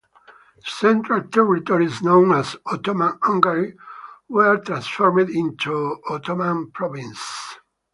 The central territories, known as Ottoman Hungary, were transformed into Ottoman provinces.